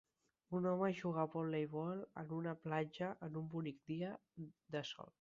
Un home juga al voleibol en una platja en un bonic dia de sol.